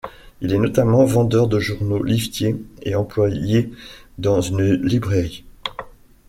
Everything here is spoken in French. Il est notamment vendeur de journaux, liftier, et employé dans une librairie.